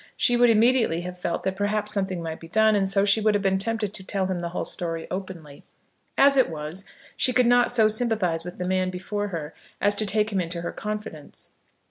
She would immediately have felt that perhaps something might be done, and she would have been tempted to tell him the whole story openly. As it was she could not so sympathise with the man before her, as to take him into her confidence.